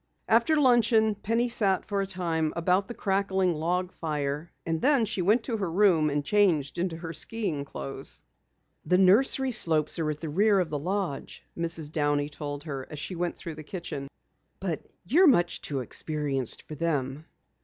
After luncheon Penny sat for a time about the crackling log fire and then she went to her room and changed into her skiing clothes. "The nursery slopes are at the rear of the lodge," Mrs. Downey told her as she went out through the kitchen. "But you're much too experienced for them."